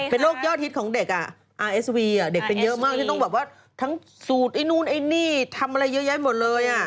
เป็นโรคยอดฮิตของเด็กอ่ะอาร์เอสวีเด็กเป็นเยอะมากที่ต้องแบบว่าทั้งสูตรไอ้นู่นไอ้นี่ทำอะไรเยอะแยะหมดเลย